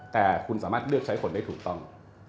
แต่คุณสามารถเลือกใช้คนได้ถูกต้อง